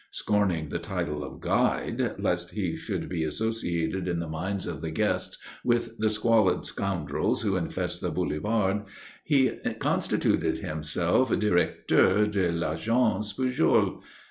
Scorning the title of "guide," lest he should be associated in the minds of the guests with the squalid scoundrels who infest the Boulevard, he constituted himself "Directeur de l'Agence Pujol."